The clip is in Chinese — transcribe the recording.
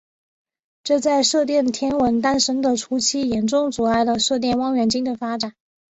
这在射电天文学诞生的初期严重阻碍了射电望远镜的发展。